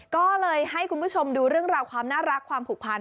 ก็เลยให้คุณผู้ชมดูเรื่องราวความน่ารักความผูกพัน